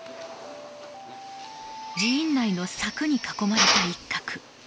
寺院内の柵に囲まれた一角。